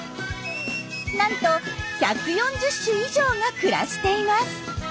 なんと１４０種以上が暮らしています。